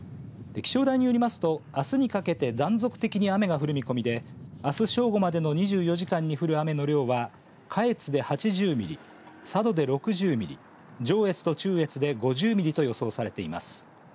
気象台によりますとあすにかけて断続的に雨が降る見込みであす正午までの２４時間に降る雨の量は下越で８０ミリ佐渡で６０ミリ上越と中越で５０ミリと予想されています。